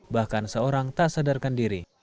bahkan seorang tak sadarkan diri